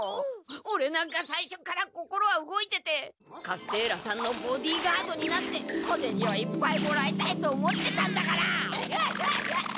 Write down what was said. オレなんかさいしょから心は動いててカステーラさんのボディーガードになって小ゼニをいっぱいもらいたいと思ってたんだから！